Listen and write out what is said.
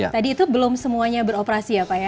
tadi itu belum semuanya beroperasi ya pak ya